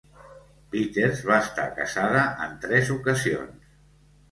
Peters va estar casada en tres ocasions.